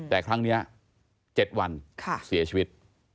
แต่ครั้งนี้๗วันเสียชีวิต